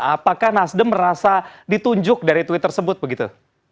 apakah nasdem merasa ditunjuk dari tweet tersebut begitu